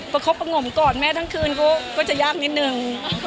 ประงมกอดแม่ทั้งคืนก็จะยากนิดนึง